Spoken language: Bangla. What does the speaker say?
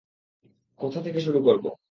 কোথা থেকে শুরু করব?